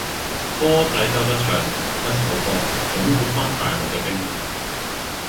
歌仔都有得唱，一首歌總括番大陸嘅經驗